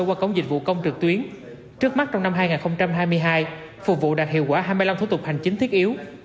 qua cổng dịch vụ công trực tuyến trước mắt trong năm hai nghìn hai mươi hai phục vụ đạt hiệu quả hai mươi năm thủ tục hành chính thiết yếu